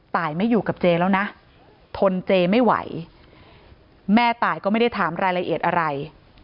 ไม่อยู่กับเจแล้วนะทนเจไม่ไหวแม่ตายก็ไม่ได้ถามรายละเอียดอะไร